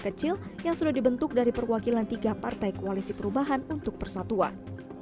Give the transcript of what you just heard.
kecil yang sudah dibentuk dari perwakilan tiga partai koalisi perubahan untuk persatuan